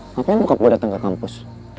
ngapain bokap gue dateng ke kampus